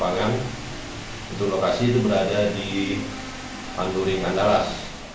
pelabangan untuk lokasi itu berada di panturingan dallas